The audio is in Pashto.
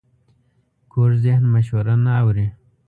کوږ ذهن مشوره نه اوري